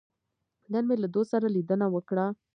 نن مې له دوست سره لیدنه وکړه.